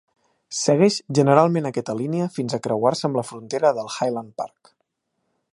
Segueix generalment aquesta línia fins a creuar-se amb la frontera del Highland Park.